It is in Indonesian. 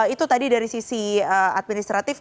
itu tadi dari sisi administratif